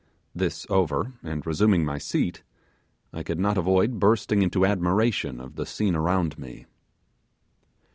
This over, and resuming my seat, I could not avoid bursting into admiration of the scene around me.